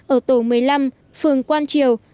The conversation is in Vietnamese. ở tổ một mươi năm phường quan triều